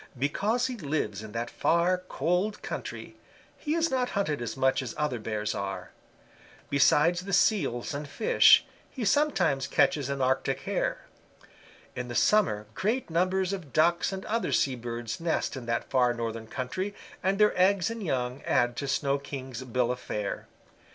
Because he lives in that far, cold country, he is not hunted as much as other bears are. Besides the Seals and fish, he sometimes catches an Arctic Hare. In the summer great numbers of Ducks and other sea birds nest in that far northern country, and their eggs and young add to Snow King's bill of fare.